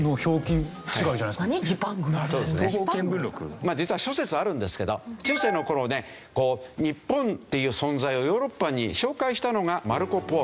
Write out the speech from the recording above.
まあ実は諸説あるんですけど中世の頃ね日本っていう存在をヨーロッパに紹介したのがマルコ・ポーロ。